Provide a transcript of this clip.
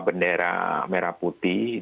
bendera merah putih